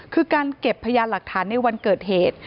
คือการเก็บพยานหลักฐานในวันเกิดเหตุ